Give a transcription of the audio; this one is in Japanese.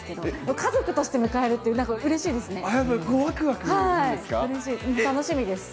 家族として迎えるっていう、なんかうれしいですね。